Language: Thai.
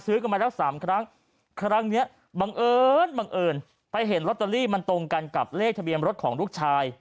กันมาแล้วสามครั้งครั้งเนี้ยบังเอิญบังเอิญไปเห็นลอตเตอรี่มันตรงกันกับเลขทะเบียนรถของลูกชาย